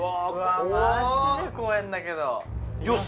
マジでこえーんだけどよし